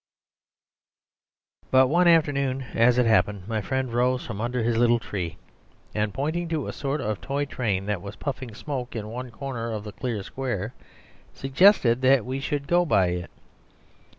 But one afternoon, as it happened, my friend rose from under his little tree, and pointing to a sort of toy train that was puffing smoke in one corner of the clear square, suggested that we should go by it.